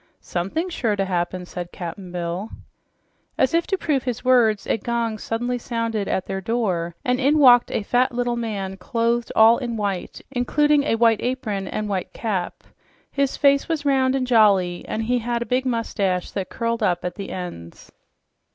"Somethin's sure to happen," said Cap'n Bill. As if to prove his words, a gong suddenly sounded at their door and in walked a fat little man clothed all in white, including a white apron and white cap. His face was round and jolly, and he had a big mustache that curled up at the ends.